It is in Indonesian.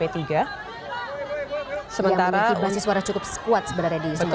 yang mengikuti bahasa suara cukup kuat sebenarnya di sumatera utara